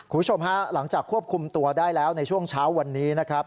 คุณผู้ชมฮะหลังจากควบคุมตัวได้แล้วในช่วงเช้าวันนี้นะครับ